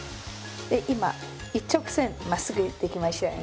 今一直線まっすぐ行ってきましたよね。